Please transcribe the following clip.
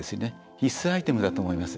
必須アイテムだと思います。